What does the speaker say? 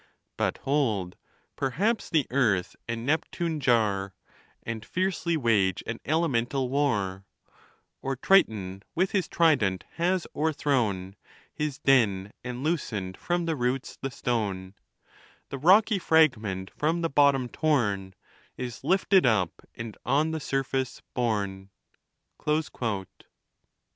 But hold ! perhaps the Earth and Neptune jar, And fiercely wage an elemental war ; Or Triton with his trident has o'erthrown His den, and loosen'd from the roots the stone ; The rocky fragment, from the bottom torn, Is lifted up, and on the surface borne.